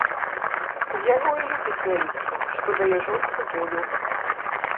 З яго і людзі смяюцца, што дае жонцы волю.